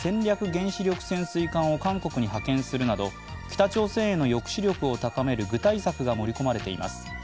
原子力潜水艦を韓国に派遣するなど北朝鮮への抑止力を高める具体策が盛り込まれています。